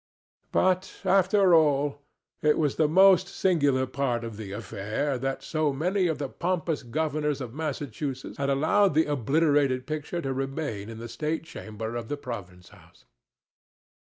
But, after all, it was the most singular part of the affair that so many of the pompous governors of Massachusetts had allowed the obliterated picture to remain in the state chamber of the province house.